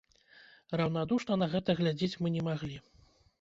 Раўнадушна на гэта глядзець мы не маглі.